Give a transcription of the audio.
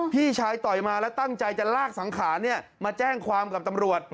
พี่ชายต่อยมาแล้วตั้งใจจะลากสังขารมาแจ้งความกับตำรวจ